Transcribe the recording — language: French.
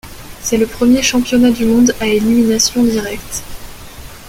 C'est le premier championnat du monde à élimination directe.